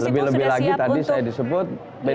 lebih lebih lagi tadi saya disebut